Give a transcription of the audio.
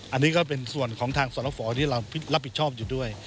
อันนี้ก็เป็นส่วนของทางสรฝที่เรารับผิดชอบอยู่ด้วย